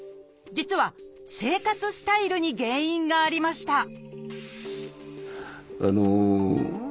実は生活スタイルに原因がありました